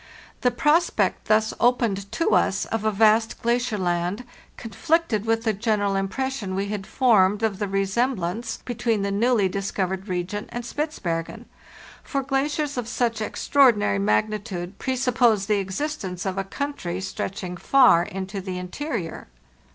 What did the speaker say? [he prospect thus opened to us of a vast glacier land conflicted with the general impression we had formed of the resemblance between the newly dis covered region and Spitzbergen; for glaciers of such extraordinary magnitude presuppose the existence of a country stretching far into the interior."